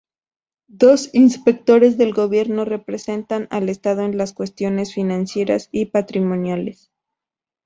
Dos inspectores del gobierno representan al Estado en las cuestiones financieras y patrimoniales.